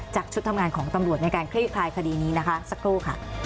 จากชุดทำงานของตำรวจในการเคลียดกลายคดีนี้สักครู่